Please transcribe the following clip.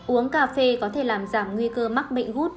một mươi uống cà phê có thể làm giảm nguy cơ mắc bệnh parkinson